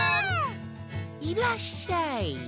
いらっしゃい。